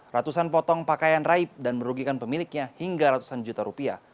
ratusan potong pakaian raib dan merugikan pemiliknya hingga ratusan juta rupiah